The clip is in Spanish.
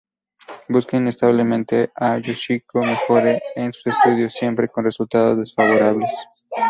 Busca incansablemente que Yoshiko mejore en sus estudios, siempre con resultado desfavorables.